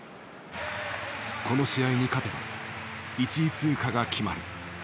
この試合に勝てば１位通過が決まる。